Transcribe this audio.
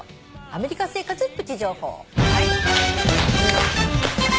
「アメリカ生活プチ情報」